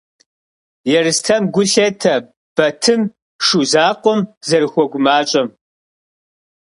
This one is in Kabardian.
Ерстэм гу лъетэ Батым Шу закъуэм зэрыхуэгумащӏэм.